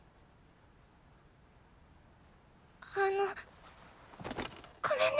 あのごめんね。